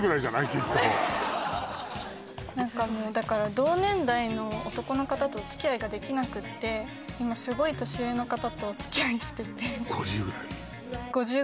きっと何かだから同年代の男の方とお付き合いができなくって今すごい年上の方とお付き合いしてて５０ぐらい？